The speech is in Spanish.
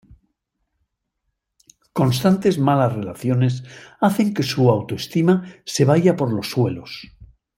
Constantes malas relaciones hacen que su autoestima se vaya por los suelos.